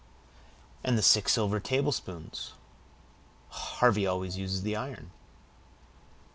"And the six silver tablespoons; Harvey always uses the iron!"